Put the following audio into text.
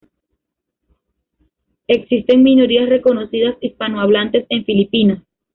Existen minorías reconocidas hispanohablantes en Filipinas.